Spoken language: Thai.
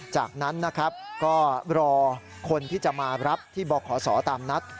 จากนั้นนะครับก็รอคนที่จะมารับที่บขศตามนัด